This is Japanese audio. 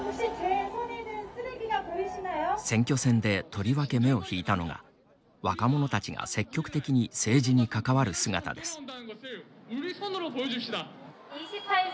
選挙戦でとりわけ目を引いたのが若者たちが積極的に政治に関わる姿です。